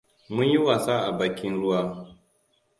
Mun yi wasa a bakin ruwa.